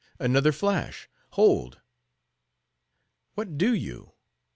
Another flash. Hold!" "What do you?"